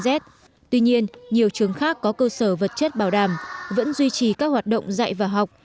ví dụ như là quạt sửa điện và chăn ấm